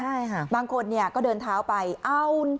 ใช่ค่ะบางคนเนี่ยก็เดินเท้าไปเอา